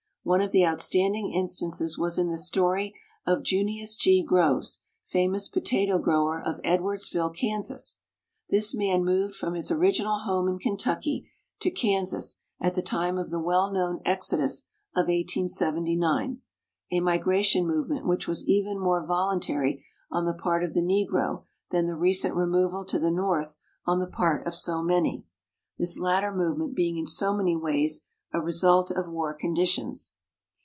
One of the outstanding instances was in the story of Junius G. Groves, famous potato grower of Edwardsville, Kansas. This man moved from his original home in Kentucky to Kansas at the time of the well known "Exodus" of 1879, a migration movement which was even more voluntary on the part of the Negro than the recent removal to the North on the part of so many, this latter movement being in so many ways a result of war conditions.